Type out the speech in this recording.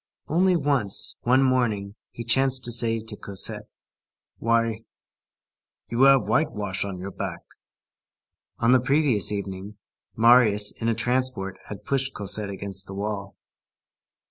Only once, one morning, he chanced to say to Cosette: "Why, you have whitewash on your back!" On the previous evening, Marius, in a transport, had pushed Cosette against the wall.